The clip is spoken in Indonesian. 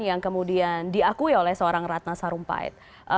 yang kemudian diakui oleh seorang ratna sarumpait